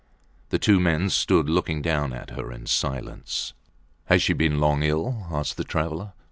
The two men stood looking down at her in silence. Has she been long ill? asked the traveller.